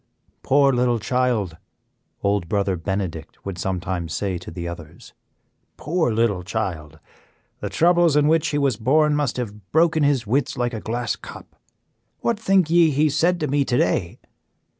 "Poor little child!" Old Brother Benedict would sometimes say to the others, "poor little child! The troubles in which he was born must have broken his wits like a glass cup. What think ye he said to me to day?